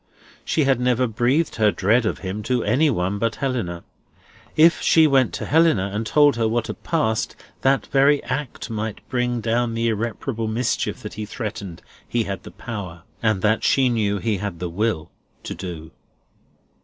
She had never breathed her dread of him to any one but Helena. If she went to Helena, and told her what had passed, that very act might bring down the irreparable mischief that he threatened he had the power, and that she knew he had the will, to do.